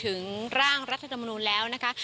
หรือถึงร่างรัฐธรรมนูลแล้วนะคะ